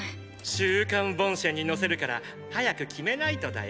「週刊ボンシェン」に載せるから早く決めないとだよ。